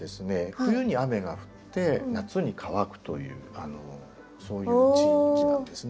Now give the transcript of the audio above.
冬に雨が降って夏に乾くというそういう地域なんですね。